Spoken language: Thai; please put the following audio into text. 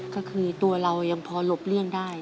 ก็คือตัวเรายังพอหลบเลี่ยงได้